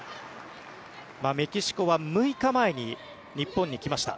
メキシコは６日前に日本に来ました。